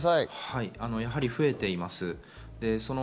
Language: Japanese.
やはり増えています。